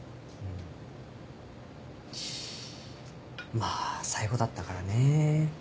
まぁ最後だったからねぇ。